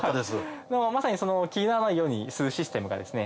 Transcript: まさに気にならないようにするシステムがですね